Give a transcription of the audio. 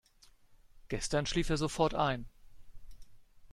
Gestern schlief er sofort ein.